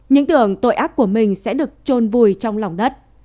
những tưởng tội ác của mình sẽ được trôn vùi trong lòng đất